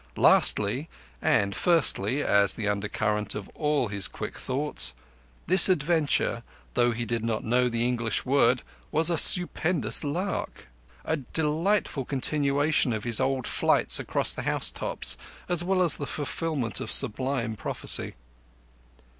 Lastly—and firstly as the undercurrent of all his quick thoughts—this adventure, though he did not know the English word, was a stupendous lark—a delightful continuation of his old flights across the housetops, as well as the fulfilment of sublime prophecy.